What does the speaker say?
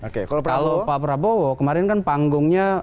kalau pak prabowo kemarin kan panggungnya